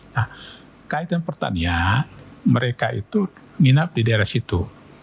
nah kaitan pertanian mereka itu nginap di daerah situ